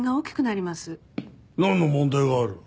なんの問題がある？